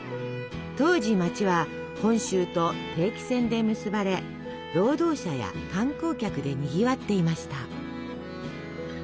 当時街は本州と定期船で結ばれ労働者や観光客でにぎわっていました。